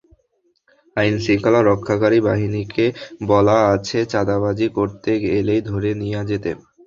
আইনশৃঙ্খলা রক্ষাকারী বাহিনীকে বলা আছে চাঁদাবাজি করতে এলেই ধরে নিয়ে যেতে।